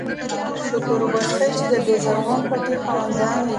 شکر وباسئ چې د دې زرغون پټي خاوندان یئ.